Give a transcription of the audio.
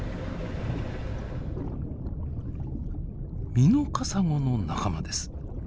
ミノカサゴの仲間です。